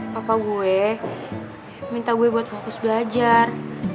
papa gue minta gue buat fokus belajar